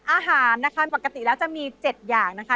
อาหารนะคะปกติแล้วจะมี๗อย่างนะคะ